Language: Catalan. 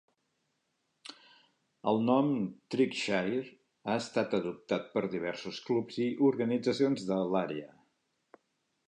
El nom Triggshire ha estat adoptat per diversos clubs i organitzacions de l"àrea.